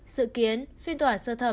sự kiến phiên tòa sơ thẩm